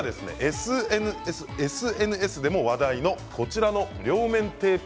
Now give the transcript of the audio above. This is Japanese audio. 次はＳＮＳでも話題のこちらの両面テープ